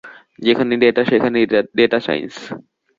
যেখানেই ডেটা, সেখানেই data science.